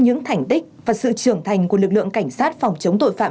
những thành tích và sự trưởng thành của lực lượng cảnh sát phòng chống tội phạm